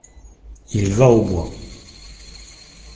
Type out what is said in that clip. Il va au bois !